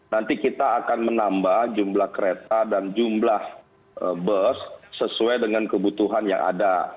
nanti kita akan menambah jumlah kereta dan jumlah bus sesuai dengan kebutuhan yang ada